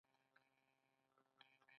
ایا زما ساقونه به ښه شي؟